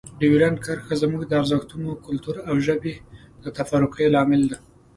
ډیورنډ کرښه زموږ د ارزښتونو، کلتور او ژبې د تفرقې لامل ده.